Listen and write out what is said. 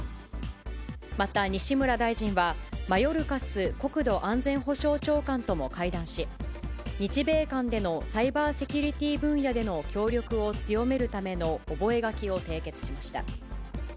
また西村大臣は、マヨルカス国土安全保障長官とも会談し、日米間でのサイバーセキュリティー分野でのを強めるための覚書を締結しました。